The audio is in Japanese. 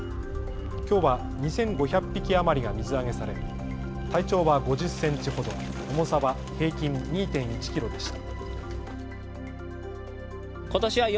きょうは２５００匹余りが水揚げされ体長は５０センチほど、重さは平均２．１キロでした。